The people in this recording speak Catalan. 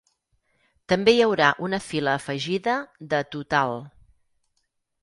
També hi haurà una fila afegida de "Total".